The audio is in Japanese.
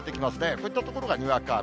こういった所がにわか雨。